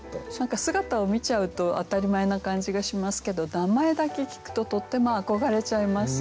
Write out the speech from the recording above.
姿を見ちゃうと当たり前な感じがしますけど名前だけ聞くととっても憧れちゃいますよね。